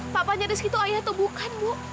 papanya rizky tuh ayah tuh bukan bu